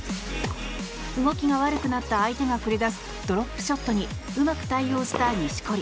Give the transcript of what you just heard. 動きが悪くなった相手が繰り出すドロップショットにうまく対応した錦織。